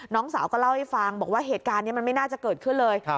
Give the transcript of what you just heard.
น้องสาวก็เล่าให้ฟังบอกว่าเหตุการณ์นี้มันไม่น่าจะเกิดขึ้นเลย